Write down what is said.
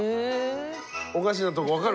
おかしなとこ分かる？